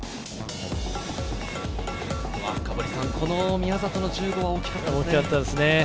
宮里の１５は大きかったですね。